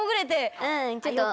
ちょっと。